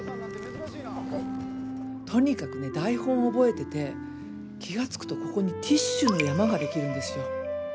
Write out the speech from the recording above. とにかくね台本覚えてて気が付くとここにティッシュの山ができるんですよ。